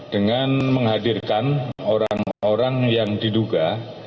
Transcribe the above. dengan menghadirkan orang orang yang diduga